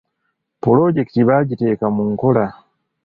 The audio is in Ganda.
Pulojekiti bagiteeka mu nkola.